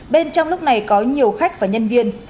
bên trong lúc này có nhiều khách và nhân viên